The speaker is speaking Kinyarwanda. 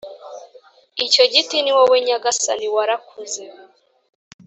icyo giti ni wowe nyagasani Warakuze